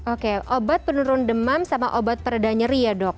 oke obat penurun demam sama obat peredah nyeri ya dok